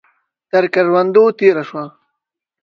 تر کروندو تېره شوه.